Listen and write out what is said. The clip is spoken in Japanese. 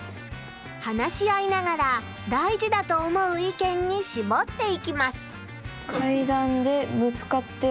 話し合いながら大事だと思う意見にしぼっていきます。